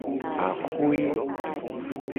Axwe.